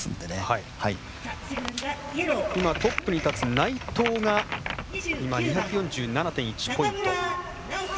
今、トップに立つ内藤が今、２４７．１ポイント。